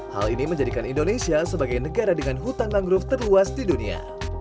hal ini menjadikan indonesia sebagai negara dengan hutan mangrove terluas di dunia